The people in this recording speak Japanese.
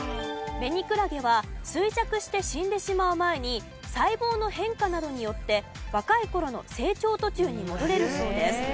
ベニクラゲは衰弱して死んでしまう前に細胞の変化などによって若い頃の成長途中に戻れるそうです。